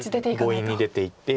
強引に出ていって。